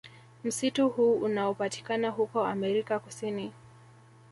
Msitu huu unaopatikana huko America kusini